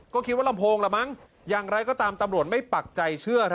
ก็คิดว่าลำโพงละมั้งอย่างไรก็ตามตำรวจไม่ปักใจเชื่อ